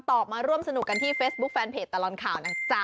สวัสดีค่ะ